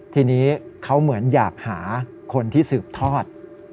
ทีนี้เขาเหมือนอยากหาคนที่สืบทอด